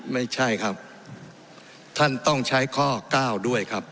ไม่ใช่ครับท่านต้องใช้ข้อ๙ด้วยครับ